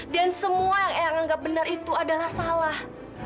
dan semua yang eang anggap benar itu adalah salah